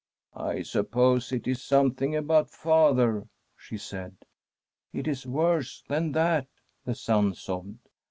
' I suppose it IS something about father ?' she said. ' It is worse than that,' the son sobbed.